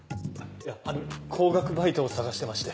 いやあの高額バイトを探してまして。